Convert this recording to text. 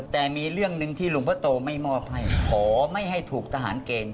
แต่มีเรื่องหนึ่งที่หลวงพ่อโตไม่มอบให้ขอไม่ให้ถูกทหารเกณฑ์